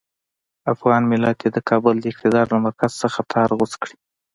افغان ملت دې د کابل د اقتدار له مرکز څخه تار غوڅ کړي.